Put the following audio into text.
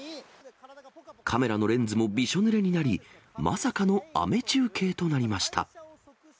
カメラのレンズもびしょぬれになり、まさかの雨中継となりました。